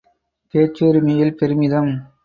பேச்சுரிமையில் பெருமிதம் ….